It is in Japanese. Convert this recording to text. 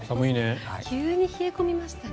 急に冷え込みましたね。